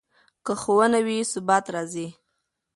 که ښوونه وي، ثبات راځي.